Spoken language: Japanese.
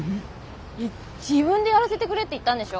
いや自分でやらせてくれって言ったんでしょ？